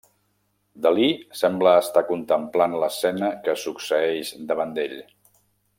Dalí sembla estar contemplant l'escena que succeeix davant d'ell.